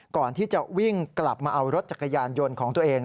ก่อนที่จะวิ่งกลับมาเอารถจักรยานยนต์ของตัวเอง